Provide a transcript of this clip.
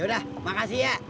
yaudah makasih ya